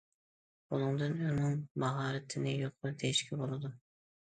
بۇنىڭدىن ئۇنىڭ ماھارىتىنى يۇقىرى دېيىشكە بولىدۇ.